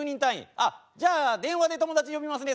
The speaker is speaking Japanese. あっじゃあ電話で友達呼びますね。